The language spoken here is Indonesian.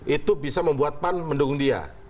itu bisa membuat pan mendukung dia